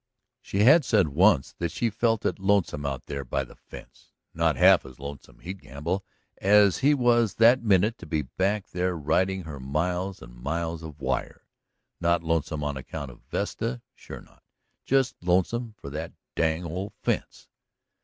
She had said once that she felt it lonesome out there by the fence. Not half as lonesome, he'd gamble, as he was that minute to be back there riding her miles and miles of wire. Not lonesome on account of Vesta; sure not. Just lonesome for that dang old fence.